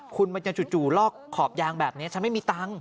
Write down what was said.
คุณมันจะจู่ลอกขอบยางแบบนี้ฉันไม่มีตังค์